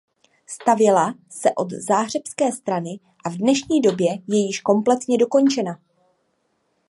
Stavěla se od záhřebské strany a v dnešní době je již kompletně dokončena.